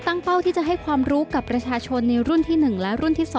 เป้าที่จะให้ความรู้กับประชาชนในรุ่นที่๑และรุ่นที่๒